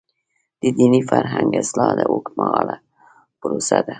د دیني فرهنګ اصلاح اوږدمهاله پروسه ده.